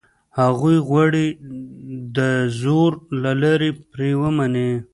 هغوی غواړي دزور له لاري یې پرې ومني.